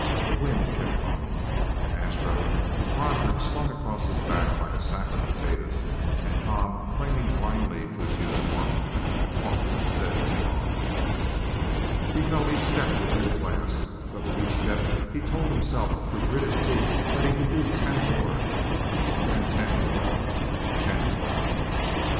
The wind kept blowing and Astro, with Roger slung across his back like a sack of potatoes and Tom clinging blindly to his uniform, walked steadily on. He felt each step would be his last, but with each step he told himself through gritted teeth that he could do ten more and then ten more ten more.